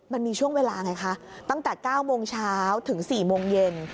มันมีช่วงเวลาไงคะตั้งแต่๙โมงเช้าถึง๔โมงเย็น